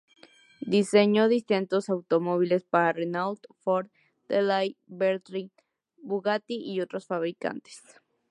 Diseñó distintos automóviles para Renault, Ford, Delahaye, Berliet, Bugatti, y otros fabricantes.